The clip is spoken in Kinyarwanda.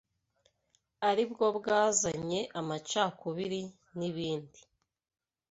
ari bwo bwazanye amacakubiri n’ibindi